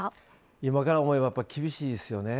今、思えば厳しいですよね。